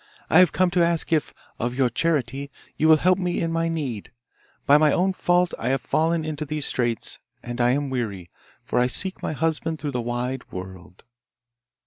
I have come to ask if, of your charity, you will help me in my need. By my own fault have I fallen into these straits, and I am weary, for I seek my husband through the wide world.